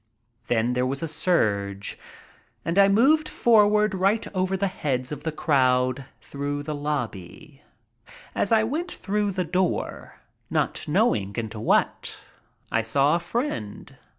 Then there was a surge, and I moved forward right over the heads of the crowd through the lobby. As I went through the door, not knowing into what, I saw a friend.